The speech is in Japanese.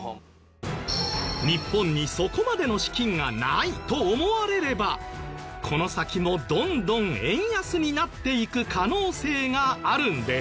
日本にそこまでの資金がないと思われればこの先もどんどん円安になっていく可能性があるんです。